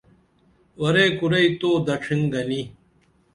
ورے کُرئی تو دڇِھن گنی